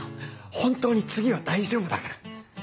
本当に次は大丈夫だから！